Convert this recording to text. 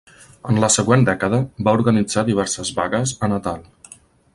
En la següent dècada, va organitzar diverses vagues a Natal.